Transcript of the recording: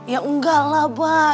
ya enggak lah pak